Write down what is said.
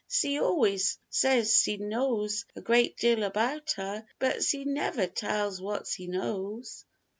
Se always says se knows a great deal about her, but se never tells what se knows."